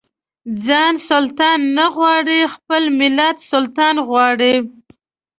ځان سلطان نه غواړي خپل ملت سلطان غواړي.